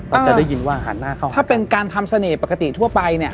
เราจะได้ยินว่าหันหน้าเข้าถ้าเป็นการทำเสน่ห์ปกติทั่วไปเนี่ย